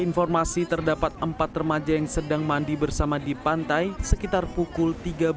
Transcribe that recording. informasi terdapat empat remaja yang sedang mandi bersama di pantai sekitar pukul tiga belas